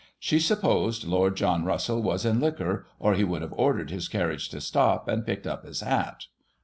She supposed Lord John Russell was in liquor, or he would have ordered his carriage to stop, and picked up his hat.